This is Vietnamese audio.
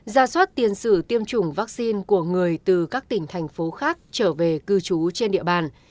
ra soát tiền sử tiêm chủng vaccine của người từ các tỉnh thành phố khác trở về cư trú trên địa bàn